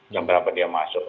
yang berapa dia masuk